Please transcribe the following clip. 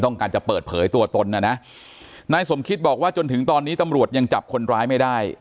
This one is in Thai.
การจะเปิดเผยตัวตนนะนะนายสมคิตบอกว่าจนถึงตอนนี้ตำรวจยังจับคนร้ายไม่ได้